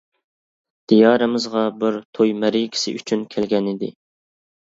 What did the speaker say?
دىيارىمىزغا بىر توي مەرىكىسى ئۈچۈن كەلگەنىدى.